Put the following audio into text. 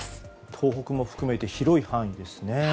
東北も含めて広い範囲ですね。